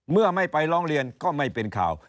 เมื่อไม่ไปร้องเรียนก็ไม่เป็นข่าว